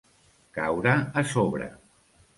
Caure a sobre.